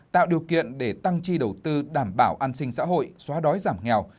tạo điều kiện để tăng chi đầu tư đảm bảo an sinh xã hội xóa đói giảm nghèo